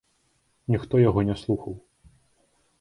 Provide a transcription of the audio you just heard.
Ніхто яго не слухаў.